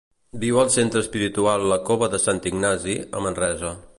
Viu al centre espiritual La Cova de Sant Ignasi, a Manresa.